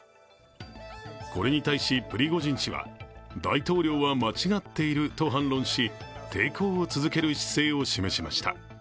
これに対しプリゴジン氏は、大統領は間違っていると反論し、抵抗を続ける姿勢を示しました。